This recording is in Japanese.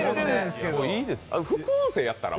副音声やったら？